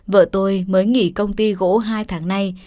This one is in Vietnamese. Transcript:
vợ tôi mới nghỉ công ty gỗ hai tháng nay